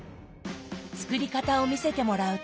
作り方を見せてもらうと。